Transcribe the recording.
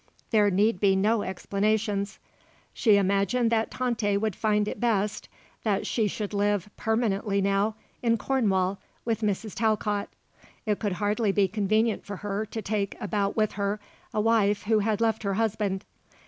There need be no explanations. She imagined that Tante would find it best that she should live, permanently now, in Cornwall with Mrs. Talcott. It could hardly be convenient for her to take about with her a wife who had left her husband.